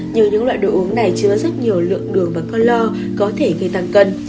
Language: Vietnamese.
nhưng những loại đồ uống này chứa rất nhiều lượng đường và ca lô có thể gây tăng cân